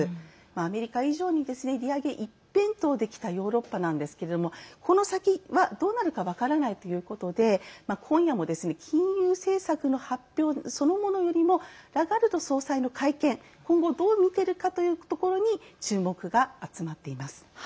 アメリカ以上に利上げ一辺倒できたヨーロッパなんですがこの先は、どうなるか分からないということで今夜も、金融政策そのものよりラガルド総裁が会見で今後どう見てるかというところに注目が集まっています。